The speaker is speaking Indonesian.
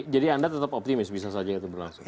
jadi anda tetap optimis bisa saja itu berlangsung